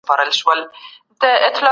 هغه د مصرف سوي او استعمال سوي حکم لري.